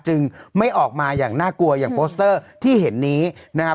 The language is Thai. จึงไม่ออกมาอย่างน่ากลัวอย่างโปสเตอร์ที่เห็นนี้นะครับ